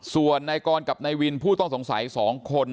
ส่วนนายกรกับนายวินผู้ต้องสงสัย๒คน